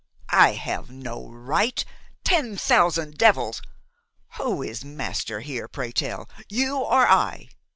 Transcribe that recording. "I have no right, ten thousand devils. Who is master here, pray tell, you or I?